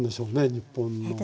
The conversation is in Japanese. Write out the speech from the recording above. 日本のね。